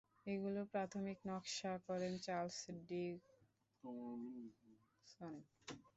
এগুলোর প্রাথমিক নকশা করেন চার্লস ডিক্সন।